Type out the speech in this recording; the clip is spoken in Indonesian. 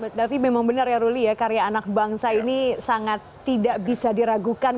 tapi memang benar ya ruli ya karya anak bangsa ini sangat tidak bisa diragukan